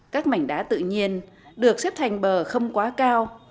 các mảnh đá tự nhiên được xếp thành bờ không quá cao